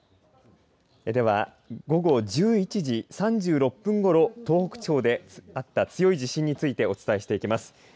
では午後１１時３６分ごろ東北地方であった強い地震についてお伝えしていきます。